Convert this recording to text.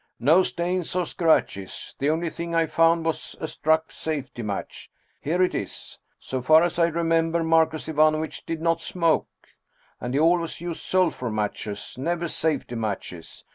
" No stains or scratches. The only thing I found was a struck safety match. Here it is! So far as I remember, Marcus Ivanovitch did not smoke. And he always used sulphur matches, never safety matches.